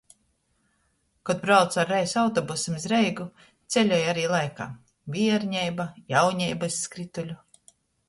Kod braucu ar reisa autobusim iz Reigu, ceļoju ari laikā: bierneiba, jauneiba iz skrytuļu.